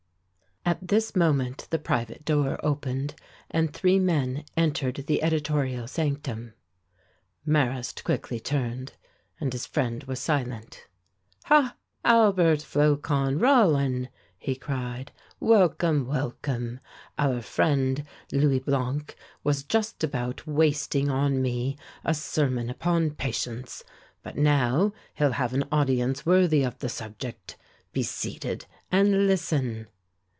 At this moment the private door opened, and three men entered the editorial sanctum. Marrast quickly turned, and his friend was silent. "Ha! Albert, Flocon, Rollin!" he cried. "Welcome, welcome! Our friend, Louis Blanc, was just about wasting on me a sermon upon patience, but now he'll have an audience worthy of the subject. Be seated and listen!"